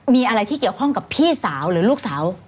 มีอะไรที่เกี่ยวข้องกับพี่สาวหรือลูกสาว